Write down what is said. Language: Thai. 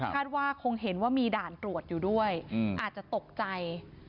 ว่าคงเห็นว่ามีด่านตรวจอยู่ด้วยอาจจะตกใจ